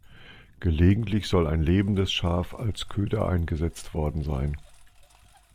Gelegentlich soll ein lebendes Schaf als Köder eingesetzt worden sein.